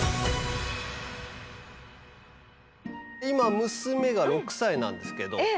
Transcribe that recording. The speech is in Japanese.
今娘が６歳なんですけど。